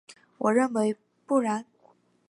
我认为不然。